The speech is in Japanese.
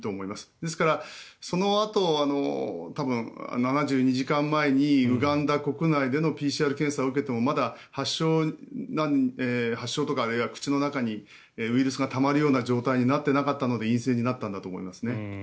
ですから、そのあと多分、７２時間前にウガンダ国内でのＰＣＲ検査を受けてもまだ発症とか、あるいは口の中にウイルスがたまるような状態になっていなかったので陰性になったんだと思いますね。